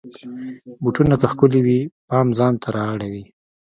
بوټونه که ښکلې وي، پام ځان ته را اړوي.